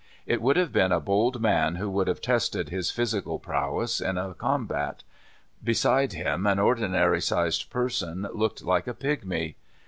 It would have been a bold man who would have tested his physical provvcss in a combat. Beside him an ordinary sized person looked like a pigmy.